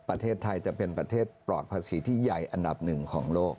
ประเทศไทยจะเป็นประเทศปลอดภาษีที่ใหญ่อันดับหนึ่งของโลก